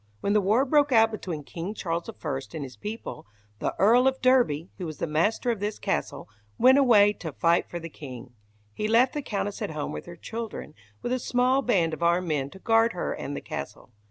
When the war broke out between King Charles I and his people, the Earl of Derby, who was the master of this castle, went away to fight for the king. He left the Countess at home with her children, with a small band of armed men to guard her and the castle.